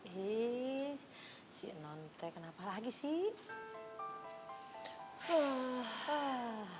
eh si nonte kenapa lagi sih